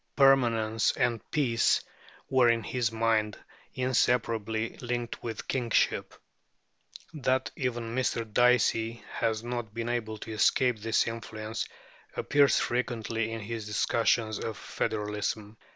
Permanence and peace were in his mind inseparably linked with kingship. That even Mr. Dicey has not been able to escape this influence appears frequently in his discussions of federalism.